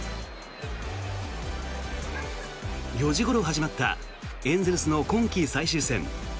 ４時ごろ始まったエンゼルスの今季最終戦。